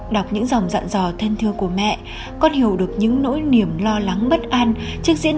đọc những dòng dặn dò thân thương của mẹ con hiểu được những nỗi niềm lo lắng bất an trước diễn